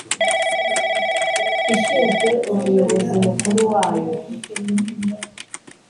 ishinzwe umuyobozi mukuru wayo